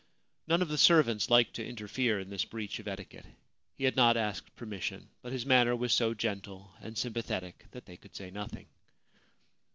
None of the servants liked to interfere in this breach of etiquette. He had not asked permission ; but his manner was so gentle and sympathetic that they could say nothing.